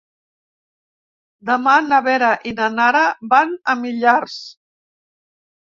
Demà na Vera i na Nara van a Millars.